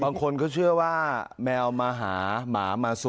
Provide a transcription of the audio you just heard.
บางคนก็เชื่อว่าแมวมาหา